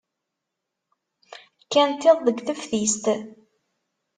Kkant iḍ deg teftist.